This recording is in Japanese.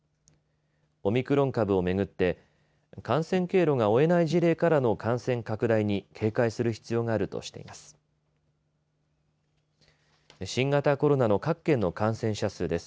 オミクロン株をめぐって感染経路が追えない事例からの感染拡大に警戒する必要があるとしています。